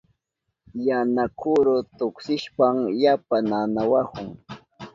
Yana kuru tuksiwashpan yapa nanawahun.